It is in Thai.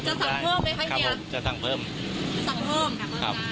จะสั่งเพิ่มไหมครับผมจะสั่งเพิ่มสั่งเพิ่ม